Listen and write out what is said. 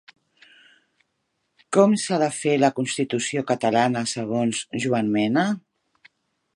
Com s'ha de fer la constitució catalana segons Joan Mena?